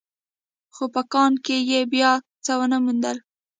خو په کان کې يې بيا څه ونه موندل.